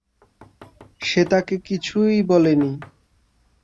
সে তাকে কিছুই বলে নি!